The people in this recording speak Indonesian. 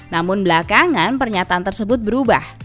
namun belakangan pernyataan tersebut berubah